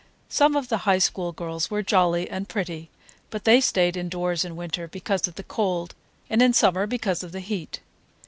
Some of the High School girls were jolly and pretty, but they stayed indoors in winter because of the cold, and in summer because of the heat.